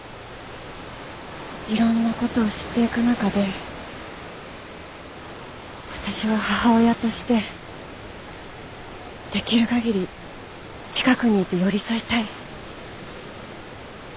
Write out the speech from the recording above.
いろんなことを知っていく中で私は母親としてできる限り近くにいて寄り添いたい。